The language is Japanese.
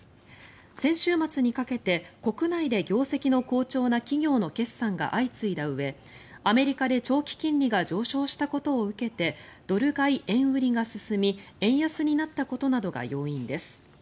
先週末にかけて国内で業績の好調な企業の決算が相次いだうえアメリカで長期金利が上昇したことを受けてドル買い・円売りが進み円安になったことなどが要因です。